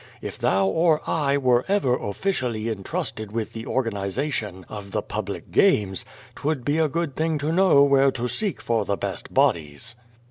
If thou or I were ever officially entrusted with the organization of the public games, 'twould be a good thing to know where to seek for the best bodies.